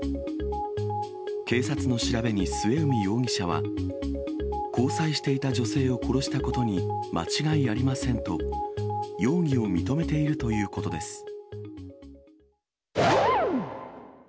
警察の調べに末海容疑者は、交際していた女性を殺したことに間違いありませんと、容疑を認めているということです。